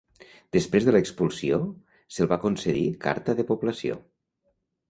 Després de l'expulsió, se'l va concedir carta de població.